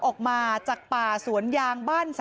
ออกมาจากป่าสวนยาง